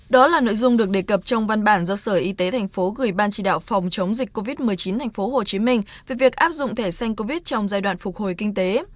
đó là nội dung được đề cập trong văn bản do sở y tế tp gửi ban chỉ đạo phòng chống dịch covid một mươi chín tp hcm về việc áp dụng thẻ xanh covid trong giai đoạn phục hồi kinh tế